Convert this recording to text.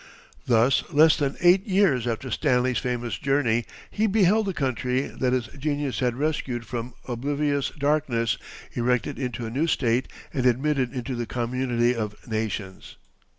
Thus less than eight years after Stanley's famous journey he beheld the country that his genius had rescued from oblivious darkness erected into a new state and admitted into the community of nations.